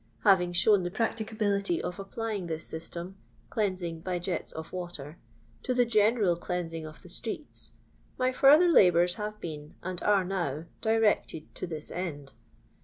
Having shown the pnctacability of applying this system (cleansing by jets of water) to the general deansmg of the streets, my further labours have been, and are now, directed to this end.